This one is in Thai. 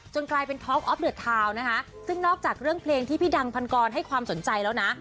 กลายเป็นท็อกออฟเดือดทาวน์นะคะซึ่งนอกจากเรื่องเพลงที่พี่ดังพันกรให้ความสนใจแล้วนะ